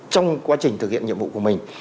trong quá trình thực hiện nhiệm vụ của mình